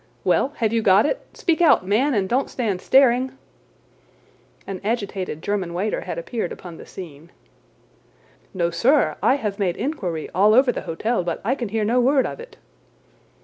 Well, have you got it? Speak out, man, and don't stand staring!" An agitated German waiter had appeared upon the scene. "No, sir; I have made inquiry all over the hotel, but I can hear no word of it."